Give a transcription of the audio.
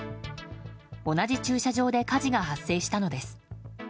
同じ駐車場で火事が発生したのです。